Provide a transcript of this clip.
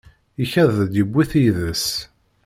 Ikad-d yewwi-t yiḍes.